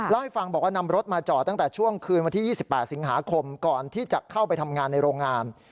เล่าให้ฟังบอกว่านำรถมาจอดตั้งแต่ช่วงคืนวันที่๒๘สิงหาคมก่อนที่จะเข้าไปทำงานในโรงงาน